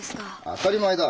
当たり前だ。